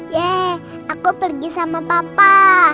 yeh aku pergi sama papa